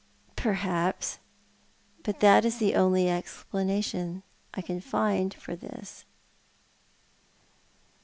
"Perhaps — but that is the only explanation I can find for this."'